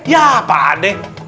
ya apaan deh